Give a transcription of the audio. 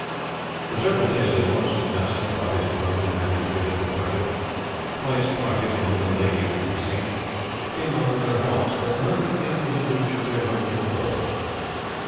For several days they watched the castle; bodies of mounted men entered and departed. Twice parties, among whom ladies could be seen, came out with their hawks; but none came within reach of their lurking foes.